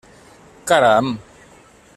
Caram!